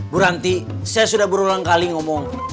bu ranti saya sudah berulang kali ngomong